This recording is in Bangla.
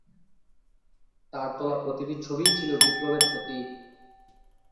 তার তোলা প্রতিটি ছবিই ছিল বিপ্লবের প্রতীক।